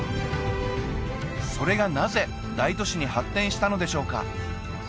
それがなぜ大都市に発展したのでしょうか？